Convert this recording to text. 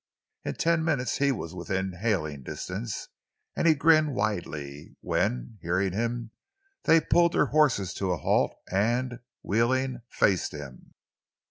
In ten minutes he was within hailing distance, and he grinned widely when, hearing him, they pulled their horses to a halt and, wheeling, faced him.